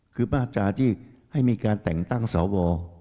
คือบ้าจารย์ที่ให้มีการแต่งตั้งเสาวอ